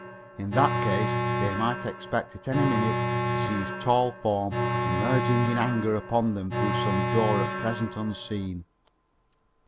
In that case they might expect at any minute to see his tall form emerging in anger upon them through some door at present unseen.